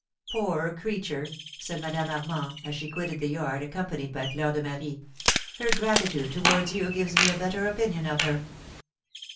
"Poor creature!" said Madame Armand, as she quitted the yard, accompanied by Fleur de Marie, "her gratitude towards you gives me a better opinion of her."